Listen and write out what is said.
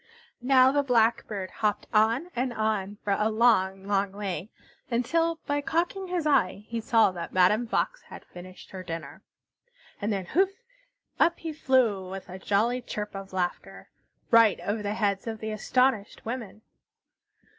Now the Blackbird hopped on and on for a long, long way, until, by cocking his eye, he saw that Madame Fox had finished her dinner. And then, houff! Up he flew, with a jolly chirp of laughter, right over the heads of the astonished women.